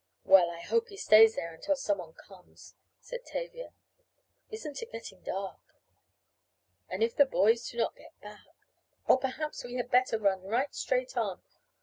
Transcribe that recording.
Well, I hope he stays there until someone comes," said Tavia. "Isn't it getting dark?" "And if the boys do not get back Oh, perhaps we had better run right straight on.